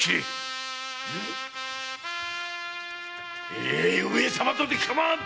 ええい上様とて構わぬ！